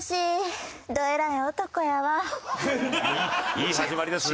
いい始まりですね。